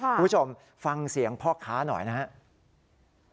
คุณผู้ชมฟังเสียงพ่อค้าหน่อยนะครับ